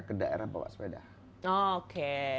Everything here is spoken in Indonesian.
ke daerah bawa sepeda oke